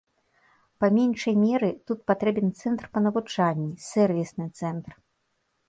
Па меншай меры, тут патрэбен цэнтр па навучанні, сэрвісны цэнтр.